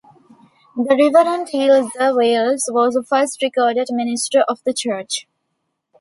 The Reverend Eleazer Wales was the first recorded minister of the church.